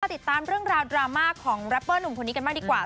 ติดตามเรื่องราวดราม่าของแรปเปอร์หนุ่มคนนี้กันบ้างดีกว่า